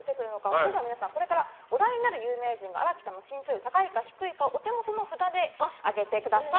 それでは皆さんお題となる芸能人荒木さんの身長より高いか低いかをお手元の札で上げてください。